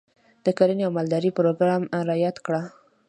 د کرنې او مالدارۍ پروګرام رایاد کړ.